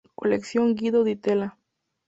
Colección Guido Di Tella.